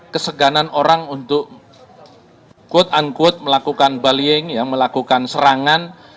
keseganan orang untuk quote unquote melakukan bullying melakukan serangan